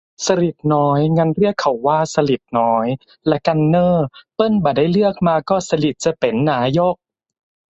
"สฤษฎิ์น้อย" งั้นเรียกเขาว่า "สลิดน้อย" ละกันเน่อ เปิ้นบ่ะได้เลือกมาก็สลิดจะเป๋นนายก